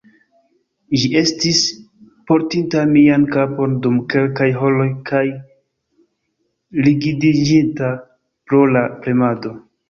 Ĝi estis portinta mian kapon dum kelkaj horoj, kaj rigidiĝinta pro la premado.